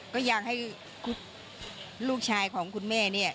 ก็อยากให้ลูกชายของคุณแม่เนี่ย